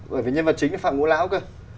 bởi vì nhân vật chính là phạm ngũ lão cơ